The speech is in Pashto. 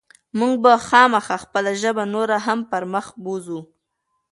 موږ به خامخا خپله ژبه نوره هم پرمخ بوځو.